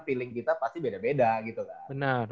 feeling kita pasti beda beda gitu kan